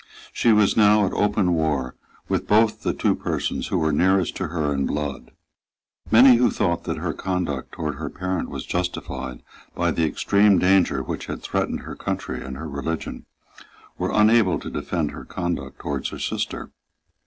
She was now at open war with both the two persons who were nearest to her in blood. Many who thought that her conduct towards her parent was justified by the extreme danger which had threatened her country and her religion, were unable to defend her conduct towards her sister.